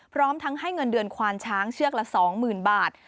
พร้อมทั้งให้เงินเดือนควานช้างเชือกละ๒๐๐๐บาท